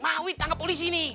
mau ditangkap polisi ini